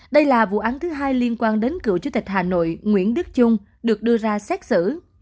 đây là vụ án thứ hai liên quan đến cựu chủ tịch hà nội nguyễn đức trung được đưa ra xét xử